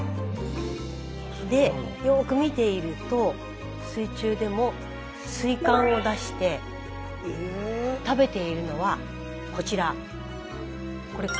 でよく見ていると水中でも水管を出して食べているのはこちら。